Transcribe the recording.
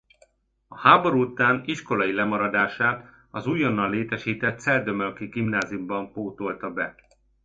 A háború után iskolai lemaradását az újonnan létesített celldömölki gimnáziumban pótolta be.